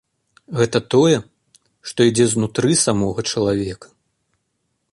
Гэта тое, што ідзе знутры самога чалавека.